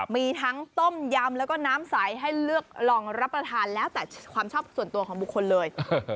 มีทั้งต้มยำแล้วก็น้ำใสให้เลือกลองรับประทานแล้วแต่ความชอบส่วนตัวของบุคคลเลย